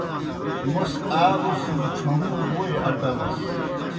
موْس آ اُڅِھجیْ ڇھہُوں ووئی اٹمَس۔